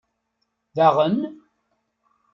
Daɣen?